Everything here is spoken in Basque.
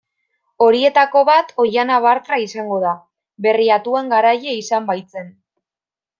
Horietako bat Oihana Bartra izango da, Berriatuan garaile izan baitzen.